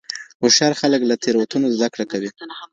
هوښیار خلګ له تیروتنو زده کړه کوي.